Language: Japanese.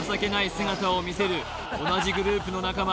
姿を見せる同じグループの仲間